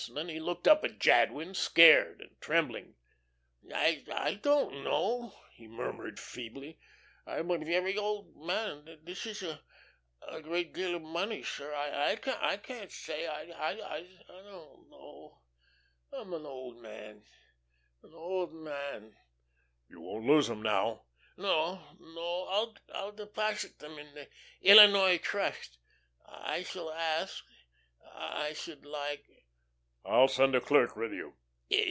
Then he looked up at Jadwin, scared and trembling. "I I don't know," he murmured, feebly. "I am a very old man. This this is a great deal of money, sir. I I can't say; I I don't know. I'm an old man ... an old man." "You won't lose 'em, now?" "No, no. I'll deposit them at once in the Illinois Trust. I shall ask I should like."